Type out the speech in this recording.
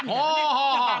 はあはあ。